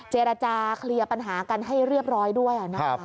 เจรจาเคลียร์ปัญหากันให้เรียบร้อยด้วยนะคะ